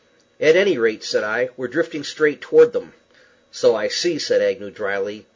"At any rate," said I, "we're drifting straight toward them." "So I see," said Agnew, dryly.